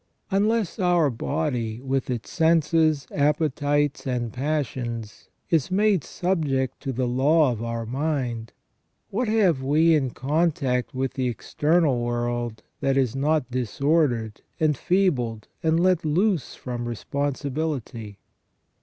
Unless our body, with its senses, appetites, and passions, is made subject to the law of our mind, what have we in contact with the external world that is not disordered, enfeebled, and let loose from responsibility